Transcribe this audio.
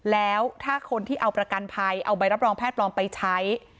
แล้วถ้าคนที่เอาประกันภัยเอาใบรับรองแพทย์ปลอมไปใช้